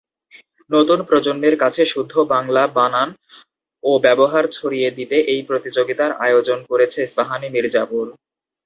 নতুন প্রজন্মের কাছে শুদ্ধ বাংলা, বানান ও ব্যবহার ছড়িয়ে দিতে এই প্রতিযোগিতার আয়োজন করেছে ইস্পাহানি মির্জাপুর।